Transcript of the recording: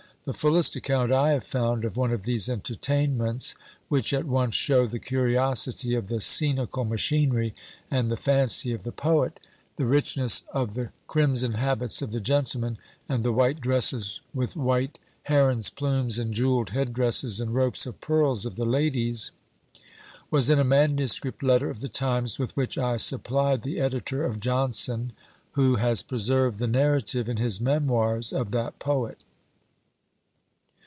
The fullest account I have found of one of these entertainments, which at once show the curiosity of the scenical machinery and the fancy of the poet, the richness Of the crimson habits of the gentlemen, and the white dresses with white heron's plumes and jewelled head dresses and ropes of pearls of the ladies, was in a manuscript letter of the times, with which I supplied the editor of "Jonson", who has preserved the narrative in his memoirs of that poet.